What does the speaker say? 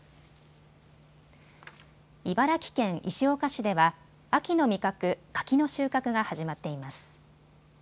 茨城県石岡市では秋の味覚、柿の収穫が始まっています。